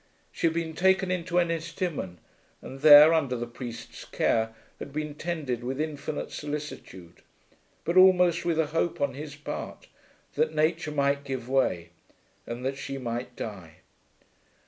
She had been taken into Ennistimon and there, under the priest's care, had been tended with infinite solicitude; but almost with a hope on his part that nature might give way and that she might die.